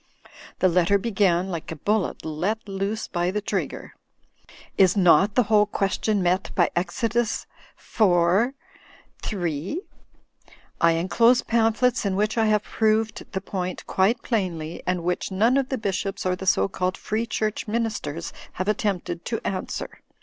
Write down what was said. The letter began like a bullet let loose by the trigger. "Is not the whole question met by Ex. iv. 3? I enclose pamphlets in which I have proved the point quite plainly, and which none of the Bishops or the so called Free Church Min isters have attempted to answer.